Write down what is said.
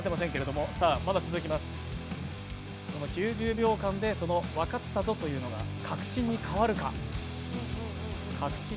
９０秒間で「分かったぞ」というのが確信に変わるか。